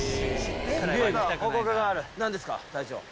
何ですか隊長。